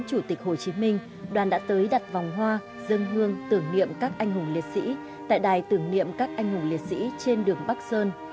chủ tịch hồ chí minh đoàn đã tới đặt vòng hoa dân hương tưởng niệm các anh hùng liệt sĩ tại đài tưởng niệm các anh hùng liệt sĩ trên đường bắc sơn